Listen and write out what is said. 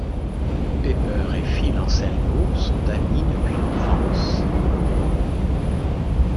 Pepper et Phil Anselmo sont amis depuis l'enfance.